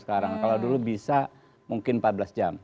sekarang kalau dulu bisa mungkin empat belas jam